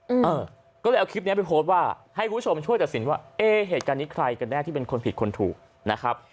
เออก็เลยเอาคลิปเนี้ยไปโพสต์ว่าให้คุณผู้ชมช่วยตัดสินว่าเอ๊เหตุการณ์นี้ใครกันแน่ที่เป็นคนผิดคนถูกนะครับ